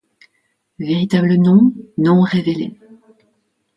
Véritable nom non révélé.